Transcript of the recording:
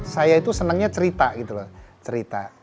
saya itu senangnya cerita gitu loh cerita